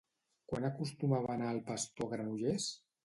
Quan acostumava a anar el pastor a Granollers?